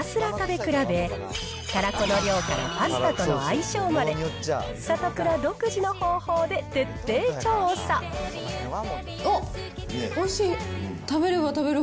ソース１２種類を、ひたすら食べ比べ、たらこの量からパスタとの相性まで、おっ、おいしい。